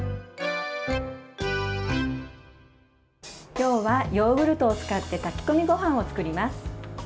今日はヨーグルトを使って炊き込みごはんを作ります。